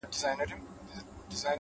خداى خو دې هركله د سترگو سيند بهانه لري!